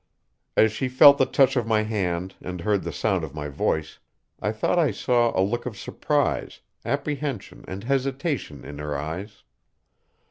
As she felt the touch of my hand and heard the sound of my voice, I thought I saw a look of surprise, apprehension and hesitation in her eyes.